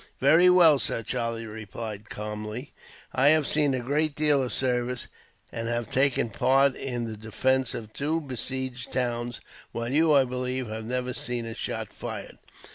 "Very well, sir," Charlie replied, calmly. "I have seen a great deal of service, and have taken part in the defence of two besieged towns; while you, I believe, have never seen a shot fired.